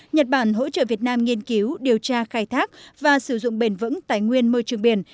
nhật bản hỗ trợ việt nam nghiên cứu điều tra khai thác và sử dụng bền vững tài nguyên môi trường biển